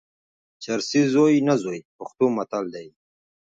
چرسي زوی نه زوی، پښتو متل دئ.